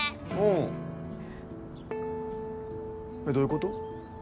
どういうこと？